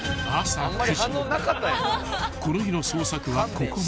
［この日の捜索はここまで］